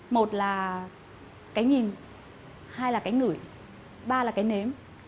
một là cái nhìn hai là cái ngửi ba là cái nếm